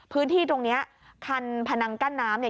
พื้นที่ตรงนี้คันพนังกั้นน้ำเนี่ย